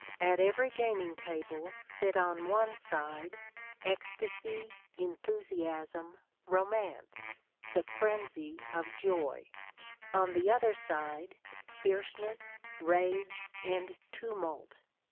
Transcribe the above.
At every gaming table sit on one side Ecstasy, Enthusiasm, Romance the frenzy of joy; on the other side, Fierceness, Rage, and Tumult.